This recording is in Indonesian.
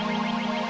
takut orang jahat